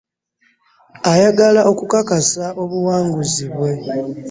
Ayagala okukakasa obuwanguzi bwe.